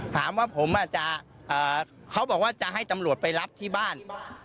ถามว่าผมเขาบอกว่าจะให้ตำรวจไปรับที่บ้าน